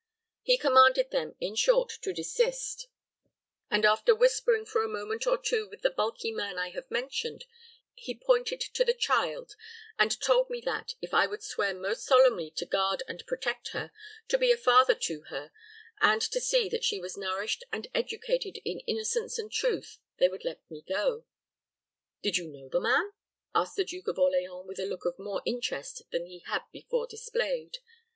He commanded them, in short, to desist; and, after whispering for a moment or two with the bulky man I have mentioned, he pointed to the child, and told me that, if I would swear most solemnly to guard and protect her, to be a father to her, and to see that she was nourished and educated in innocence and truth, they would let me go." "Did you know the man?" asked the Duke of Orleans, with a look of more interest than he had before displayed.